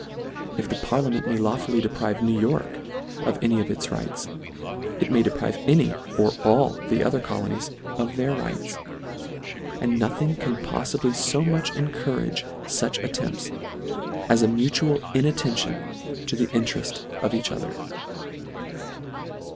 If the parliament may lawfully deprive New York of any of its rights, it may deprive any, or all the o ther colonies of their rights ; and nothing can poflibly fo much encourage fuch at tempts, as a mutual inattention to the in L ETTER I . ii tereft of each other.